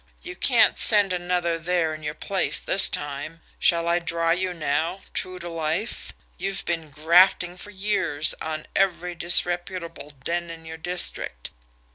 You can't send another there in your place this time. Shall I draw you now true to life? You've been grafting for years on every disreputable den in your district.